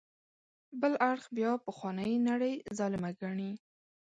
بل اړخ بیا پخوانۍ نړۍ ظالمه ګڼي.